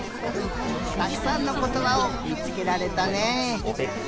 たくさんのことばをみつけられたね。